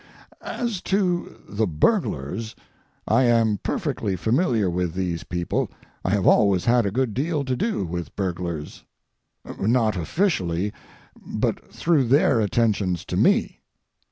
As to the burglars, I am perfectly familiar with these people. I have always had a good deal to do with burglars—not officially, but through their attentions to me.